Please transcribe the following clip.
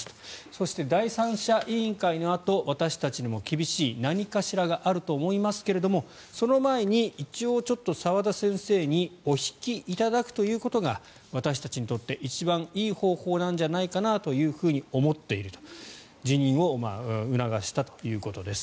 そして第三者委員会のあと私たちにも厳しい何かしらがあると思いますけどその前に一応ちょっと澤田先生にお引きいただくということが私たちにとって一番いい方法なんじゃないかなというふうに思っていると辞任を促したということです。